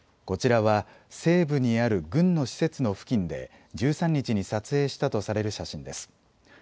こちらは西部にある軍の施設の付近で１３日に撮影したとされる写真です。